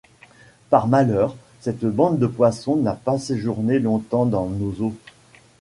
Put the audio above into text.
Par malheur, cette bande de poissons n’a pas séjourné longtemps dans nos eaux.